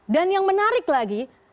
dan yang menarik lagi